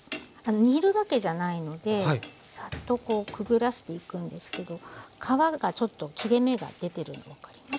煮るわけじゃないのでサッとこうくぐらせていくんですけど皮がちょっと切れ目が出てるの分かりますかね。